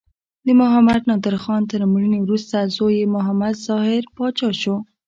د محمد نادر خان تر مړینې وروسته زوی یې محمد ظاهر پاچا شو.